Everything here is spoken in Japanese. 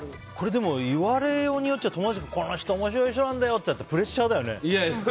でも、言われようによっては友達に、、この人面白い人なんだよって言われたらプレッシャーだよね。